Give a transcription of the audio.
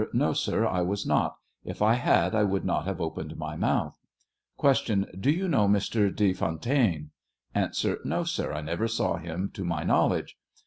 No, sir, I was not; if I had I would not have opened my mouth. Q. Do you know Mr. Be Fontaine ? A. No, sir; I never saw him to my knowledge.